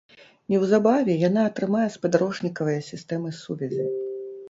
Неўзабаве яна атрымае спадарожнікавыя сістэмы сувязі.